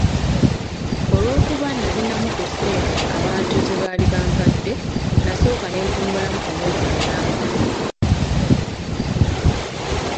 Olw'okuba nalinamu ku ssente abantu ze baali bampadde, nasooka ne mpummula omwezi mulamba.